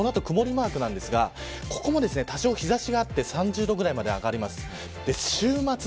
この後、曇りマークなんですがここも多少、日差しがあって３０度ぐらいまで上がります。